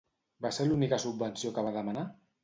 Va ser l'única subvenció que va demanar?